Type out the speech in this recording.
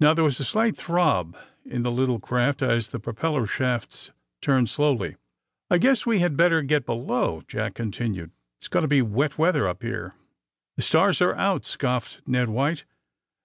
Now there was a slight throb in the little craft as the propeller shafts turned slowly. I guess we had better get below, '' Jack con tinued. '^It's going to be wet weather up here." *^The stars are out," scoffed Ned White.